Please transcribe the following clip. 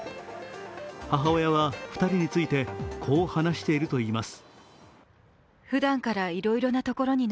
母親は２人についてこう話しているといいます。